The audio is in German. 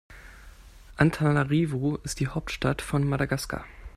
Antananarivo ist die Hauptstadt von Madagaskar.